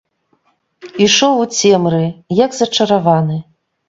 Ішоў у цемры, як зачараваны.